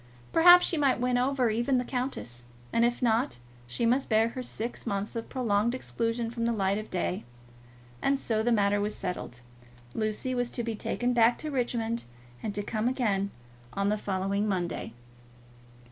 Perhaps she might win over even the countess, and if not, she must bear her six months of prolonged exclusion from the light of day. And so the matter was settled. Lucy was to be taken back to Richmond, and to come again on the following Monday.